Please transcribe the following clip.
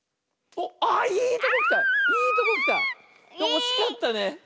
おしかったね。